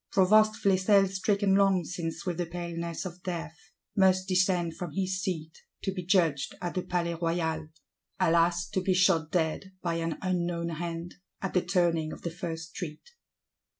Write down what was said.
Provost Flesselles stricken long since with the paleness of death, must descend from his seat, "to be judged at the Palais Royal:"—alas, to be shot dead, by an unknown hand, at the turning of the first street!